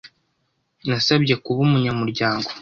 Nasabye kuba umunyamuryango.